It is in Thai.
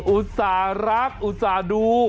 อุตส่าห์รักอุตส่าห์ดู